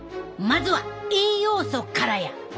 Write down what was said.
まずは栄養素からや！